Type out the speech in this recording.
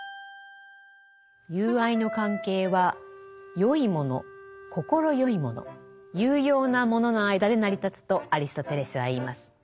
友愛の関係は善いもの快いもの有用なものの間で成り立つとアリストテレスは言います。